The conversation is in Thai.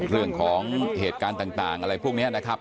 เรื่องของเหตุการณ์ต่างอะไรพวกนี้นะครับ